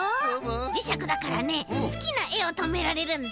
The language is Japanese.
じしゃくだからねすきなえをとめられるんだ。